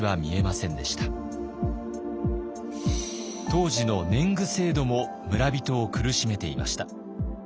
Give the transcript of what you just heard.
当時の年貢制度も村人を苦しめていました。